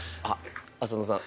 浅野さん